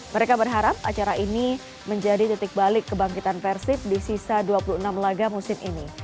mereka berharap acara ini menjadi titik balik kebangkitan persib di sisa dua puluh enam laga musim ini